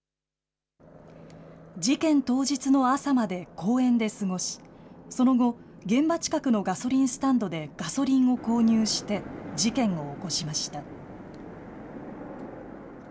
事件当日の朝まで公園で過ごしその後、現場近くのガソリンスタンドでガソリンを購入して事件を起こしました。